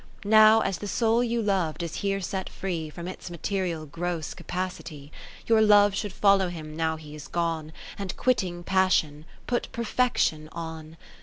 Now as the soul you lov'd is here set free From its material gross capacity ; Your love should follow him now he is gone. And quitting Passion, put Perfection on.